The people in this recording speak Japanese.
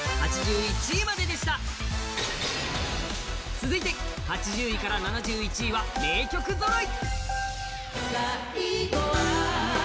続いて８０位から７１位は名曲ぞろい。